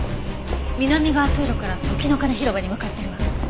南側通路から時の鐘広場に向かってるわ。